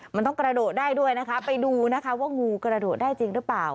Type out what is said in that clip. มันต้องกระโดดได้ด้วยนะคะไปดูนะคะว่างูกระโดดได้จริงหรือเปล่า